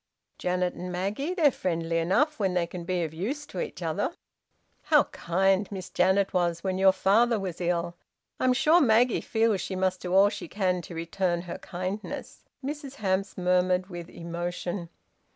"Janet and Maggie? They're friendly enough when they can be of use to each other." "How kind Miss Janet was when your father was ill! I'm sure Maggie feels she must do all she can to return her kindness," Mrs Hamps murmured, with emotion.